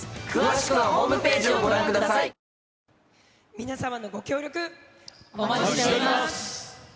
皆様のご協力、お待ちしております。